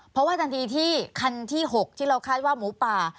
เพราะว่าทันทีที่คันที่๖ที่เราคาดว่าหมูป่า